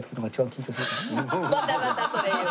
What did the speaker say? またまたそれ言う。